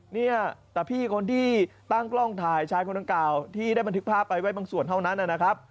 เนี่ยแต่พี่คนที่ตั้งกล้องถ่ายชายคนดังกล่าวที่ได้บันทึกภาพไปไว้บางส่วนเท่านั้นนะครับ